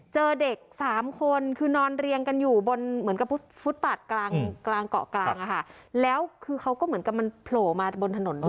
เจอเด็ก๓คนคือนอนเรียงกันอยู่บน